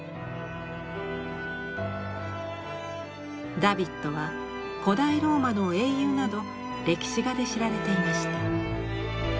ダヴィッドは古代ローマの英雄など歴史画で知られていました。